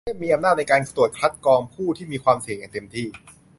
เช่น มีอำนาจในการตรวจคัดกรองผู้ที่มีความเสี่ยงอย่างเต็มที่